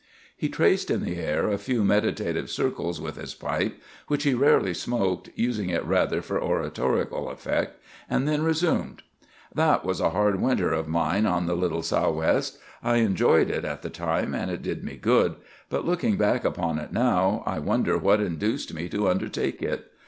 He traced in the air a few meditative circles with his pipe (which he rarely smoked, using it rather for oratorical effect), and then resumed:— "That was a hard winter of mine on the Little Sou'west. I enjoyed it at the time, and it did me good; but, looking back upon it now, I wonder what induced me to undertake it.